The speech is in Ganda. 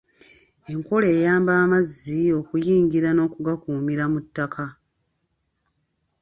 Enkola eyamba amazzi okuyingira n'okugakuumira mu ttaka.